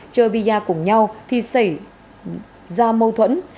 chơi bia cùng nhau thì xảy ra mâu thuẫn